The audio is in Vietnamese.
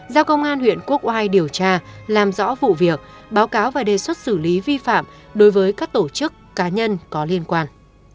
giao công an huyện quốc oai điều tra làm rõ vụ việc báo cáo và đề xuất xử lý vi phạm đối với các tổ chức cá nhân có liên quan